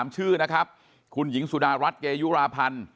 ชื่อนะครับคุณหญิงสุดารัฐเกยุราพันธ์